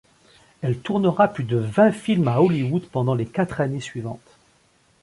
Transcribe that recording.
Elle tournera plus de vingt films à Hollywood pendant les quatre années suivantes.